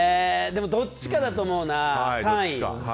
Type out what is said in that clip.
でもどっちかだと思うな。